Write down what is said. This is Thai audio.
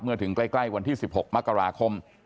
ถึงใกล้วันที่๑๖มกราคม